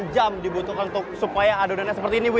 delapan jam dibutuhkan supaya adonannya seperti ini bu ya